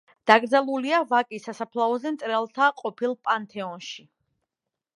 დაკრძალულია ვაკის სასაფლაოზე, მწერალთა ყოფილ პანთეონში.